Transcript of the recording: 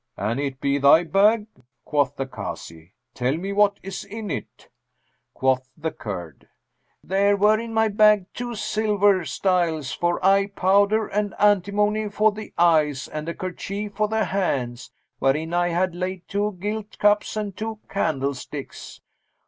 'An it be thy bag,' quoth the Kazi, 'tell me what is in it.' Quoth the Kurd, 'There were in my bag two silver styles for eye powder and antimony for the eyes and a kerchief for the hands, wherein I had laid two gilt cups and two candlesticks.